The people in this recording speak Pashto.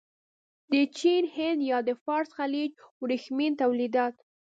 د چین، هند یا د فارس خلیج ورېښمین تولیدات.